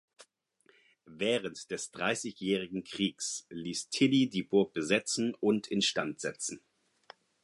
Während des Dreißigjährigen Kriegs ließ Tilly die Burg besetzen und instand setzen.